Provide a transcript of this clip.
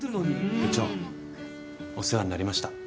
部長お世話になりました。